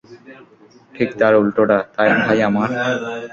ঠিক তার উল্টোটা, ভাই আমার।